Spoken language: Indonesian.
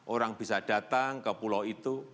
orang bisa datang ke pulau itu